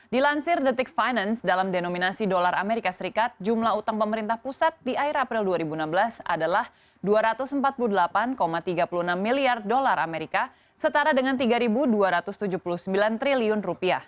dilansir the tick finance dalam denominasi dolar amerika serikat jumlah utang pemerintah pusat di akhir april dua ribu enam belas adalah rp dua ratus empat puluh delapan tiga puluh enam miliar dolar amerika setara dengan rp tiga dua ratus tujuh puluh sembilan triliun